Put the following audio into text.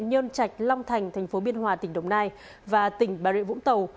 nhân trạch long thành thành phố biên hòa tỉnh đồng nai và tỉnh bà rịa vũng tàu